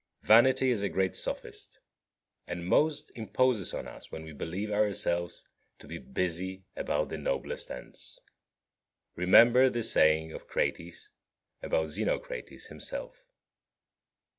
Vanity is a great sophist, and most imposes on us when we believe ourselves to be busy about the noblest ends. Remember the saying of Crates about Xenocrates himself.